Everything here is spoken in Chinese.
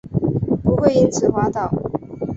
不会因此滑倒